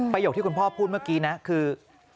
ที่คุณพ่อพูดเมื่อกี้นะคือ